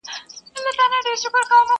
په محشر کي به پوهیږي چي له چا څخه لار ورکه!!